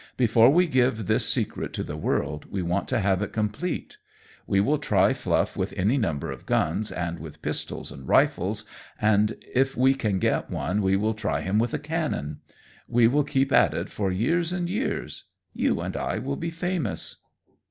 Before we give this secret to the world we want to have it complete. We will try Fluff with any number of guns, and with pistols and rifles, and if we can get one we will try him with a cannon. We will keep at it for years and years. You and I will be famous."